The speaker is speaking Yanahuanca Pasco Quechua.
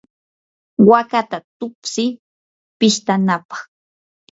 waakata tuksiy pistanapaq.